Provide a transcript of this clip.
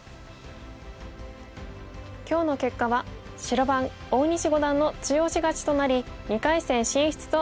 今日の結果は白番大西五段の中押し勝ちとなり２回戦進出となりました。